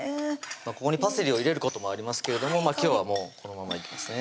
ここにパセリを入れることもありますけれども今日はもうこのままいきますね